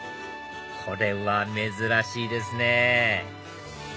これは珍しいですね